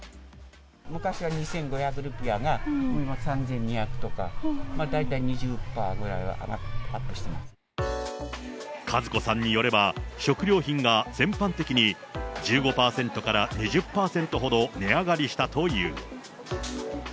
昔は２５００ルピアが、今は３２００とか、大体２０パーくらいは上がってます、和子さんによれば、食料品が全般的に１５％から２０％ほど値上がりしたという。